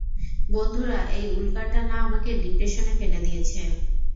বন্ধুরা, এই উল্কাটা না আমাকে ডিপ্রেশনে ফেলে দিয়েছে!